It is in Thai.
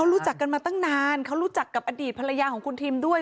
รู้จักกันมาตั้งนานเขารู้จักกับอดีตภรรยาของคุณทิมด้วย